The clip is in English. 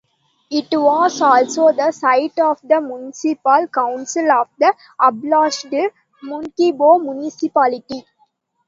It was also the site of the municipal council of the abolished Munkebo municipality.